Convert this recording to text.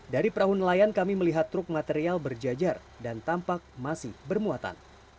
dari perahu nelayan kami melihat truk material berjajar dan tampak masih bermuatan